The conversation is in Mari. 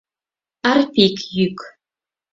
Арпик йӱк.